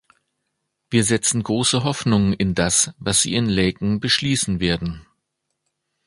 Wir setzen große Hoffnung in das, was Sie in Laeken beschließen werden.